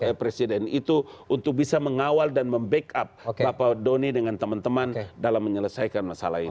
dan juga sk presiden itu untuk bisa mengawal dan membackup bapak doni dengan teman teman dalam menyelesaikan masalah ini